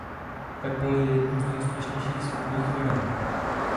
Apple je jednou z nejúspěšnějších světových firem.